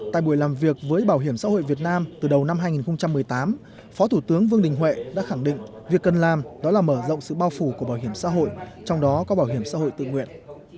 tại buổi làm việc với bảo hiểm xã hội việt nam từ đầu năm hai nghìn một mươi tám phó thủ tướng vương đình huệ đã khẳng định việc cần làm đó là mở rộng sự bao phủ của bảo hiểm xã hội trong đó có bảo hiểm xã hội tự nguyện